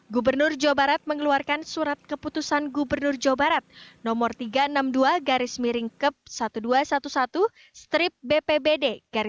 gubernur jawa barat mengeluarkan surat keputusan gubernur jawa barat no tiga ratus enam puluh dua kep seribu dua ratus sebelas bpbd dua ribu delapan belas